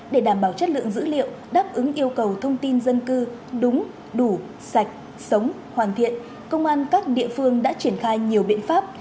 để đảm bảo chất lượng dữ liệu đáp ứng yêu cầu thông tin dân cư đúng đủ sạch sống hoàn thiện công an các địa phương đã triển khai nhiều biện pháp